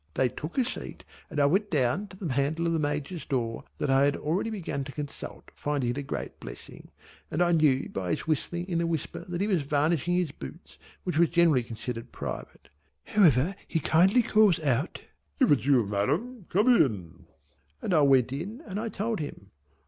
They took a seat and I went down to the handle of the Major's door that I had already began to consult finding it a great blessing, and I knew by his whistling in a whisper that he was varnishing his boots which was generally considered private, however he kindly calls out "If it's you, Madam, come in," and I went in and told him.